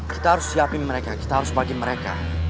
kita harus siapin mereka kita harus bagi mereka